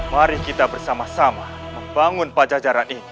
mari kita bersama sama membangun pajajaran ini